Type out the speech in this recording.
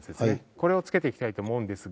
これを付けていきたいと思うのですが。